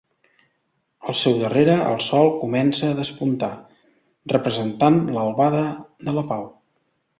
Al seu darrere el sol comença a despuntar, representant l'albada de la pau.